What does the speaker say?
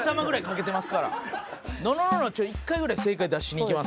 ののののちょっと一回ぐらい正解出しにいきます。